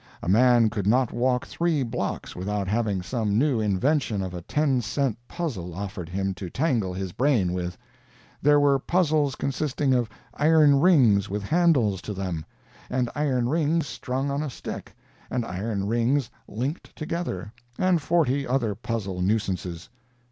A man could not walk three blocks without having some new invention of a ten cent puzzle offered him to tangle his brain with. There were puzzles consisting of iron rings with handles to them, and iron rings strung on a stick, and iron rings linked together, and forty other puzzle nuisances.